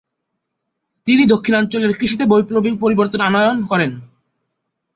তিনি দক্ষিণাঞ্চলের কৃষিতে বৈপ্লবিক পরিবর্তন আনয়ন করেন।